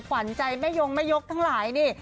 ขวัญใจแม่ยงแม่ยกทั้งหลายนี่